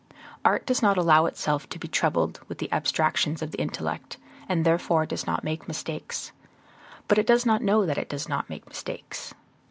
Art does not allow itself to be troubled with the abstractions of the intellect, and therefore does not make mistakes; but it does not know that it does not make mistakes.